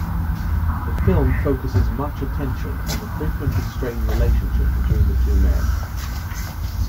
The film focuses much attention on the frequently strained relationship between the two men.